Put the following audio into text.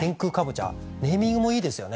ネーミングもいいですよね。